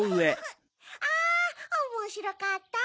あおもしろかった！